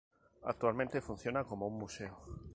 Actualmente funciona como un museo.